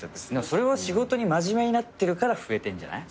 それは仕事に真面目になってるから増えてるんじゃない。